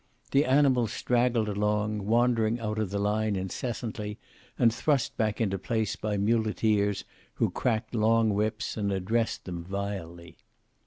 The animals straggled along, wandering out of the line incessantly and thrust back into place by muleteers who cracked long whips and addressed them vilely.